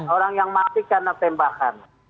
orang yang mati karena tembakan